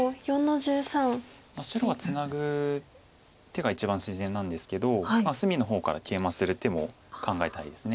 手が一番自然なんですけど隅の方からケイマする手も考えたいです。